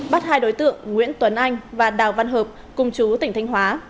bắt hai đối tượng nguyễn tuấn anh và đào văn hợp cùng chú tỉnh thanh hóa